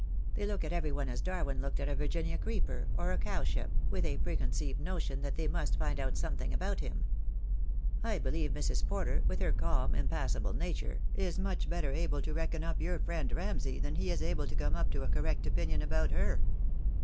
They look at every one as Darwin looked at a Virginia creeper or a cowslip, with a preconceived notion that they must find out something about him. I believe Mrs. Porter, with her calm, impassible nature, is much better able to reckon up your friend Ramsay than he is able to come to a correct opinion about her."